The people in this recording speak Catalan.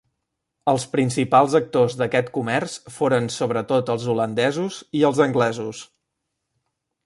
Els principals actors d'aquest comerç foren sobretot els holandesos i els anglesos.